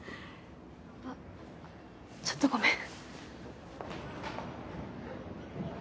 あっちょっとごめん。